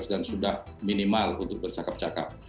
dan sudah minimal untuk bersakap cakap